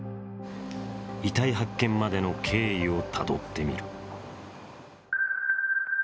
遺体発見までの経緯をたどってみる。